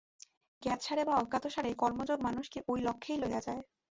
জ্ঞাতসারে বা অজ্ঞাতসারে কর্মযোগ মানুষকে ঐ লক্ষ্যেই লইয়া যায়।